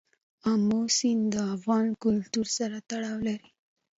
آمو سیند د افغان کلتور سره تړاو لري.